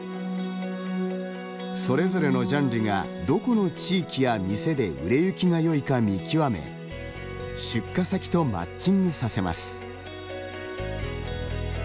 それぞれのジャンルがどこの地域や店で売れ行きがよいか見極め出荷先とマッチングさせます。